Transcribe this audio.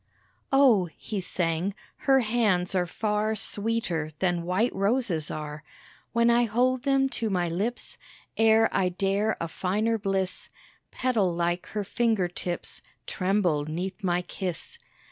"Oh," he sang, "Her hands are far Sweeter than white roses are; When I hold them to my lips, Ere I dare a finer bliss, Petal like her finger tips Tremble 'neath my kiss.